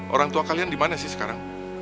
orang tua kalian dimana sih sekarang